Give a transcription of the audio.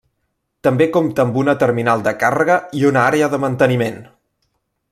També compta amb una terminal de càrrega i una àrea de manteniment.